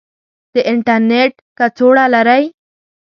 د انترنیټ کڅوړه لرئ؟